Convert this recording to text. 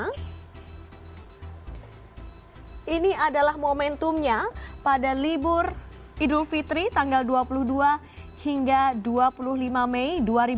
nah ini adalah momentumnya pada libur idul fitri tanggal dua puluh dua hingga dua puluh lima mei dua ribu dua puluh